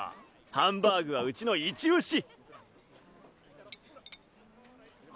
ハンバーグはうちのイチ押し！